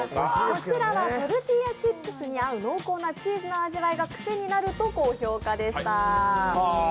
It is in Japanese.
こちらはトルティーヤチップスに合う濃厚なチーズの味わいがクセになると高評価でした。